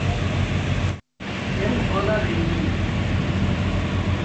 Ew ala rengîn e.